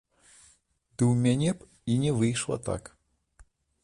Ды ў мяне б і не выйшла так.